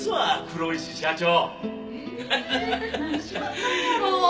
黒石社長。